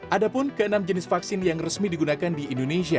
ada pun ke enam jenis vaksin yang resmi digunakan di indonesia